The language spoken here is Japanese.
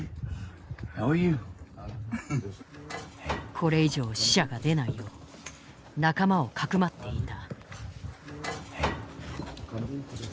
これ以上死者が出ないよう仲間をかくまっていた。